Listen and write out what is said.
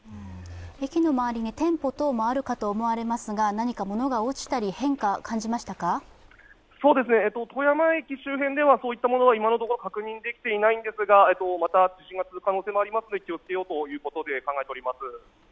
駅の周りに店舗等もあるかと思われますが、何か物が落ちたり、富山駅周辺ではそういったことは今のところ確認できていないんですが、地震が続く可能性もありますので気をつけようということで考えております。